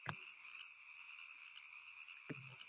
Keyin birdaniga nafsim hakalak otib, shappa-shuppa yeyishga tushdim